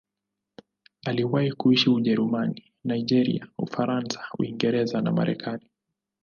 Aliwahi kuishi Ujerumani, Nigeria, Ufaransa, Uingereza na Marekani.